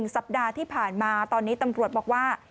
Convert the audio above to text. สัปดาห์ที่ผ่านมาตอนนี้ตำรวจบอกว่า